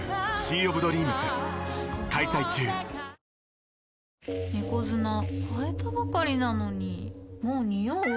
１抗菌猫砂替えたばかりなのにもうニオう？